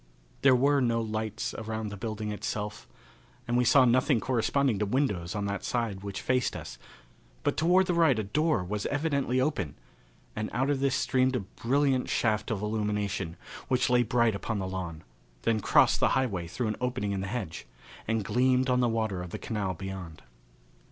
There were no lights around the building itself, and we saw nothing corresponding to windows on that side which faced us, but toward the right a door was evidently open, and out of this streamed a brilliant shaft of illumination, which lay bright upon the lawn, then crossed the highway through an opening in the hedge, and gleamed on the water of the canal beyond.